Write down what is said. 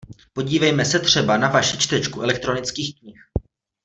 Podívejme se třeba na vaši čtečku elektronických knih.